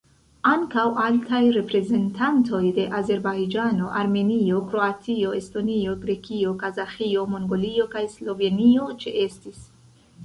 Ankaŭ altaj reprezentantoj de Azerbajĝano, Armenio, Kroatio, Estonio, Grekio, Kazaĥio, Mongolio kaj Slovenio ĉeestis.